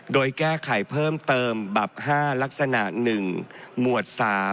โดยแก้ไขเพิ่มเติมบับ๕ลักษณะ๑หมวด๓